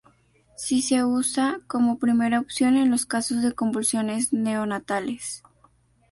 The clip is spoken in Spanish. Sí se usa, como primera opción, en los casos de convulsiones neonatales.